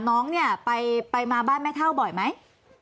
น้องเนี่ยไปมาบ้านแม่เท่าบ่อยไหม